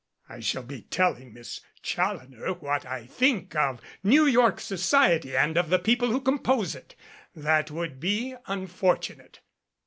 "I shall be telling Miss Challoner what I think of New York society and of the people who compose it. That would be unfortunate."